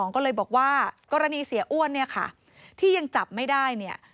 ก็เลยบอกว่ากรณีเสียอ้วนที่ยังจับไม่ได้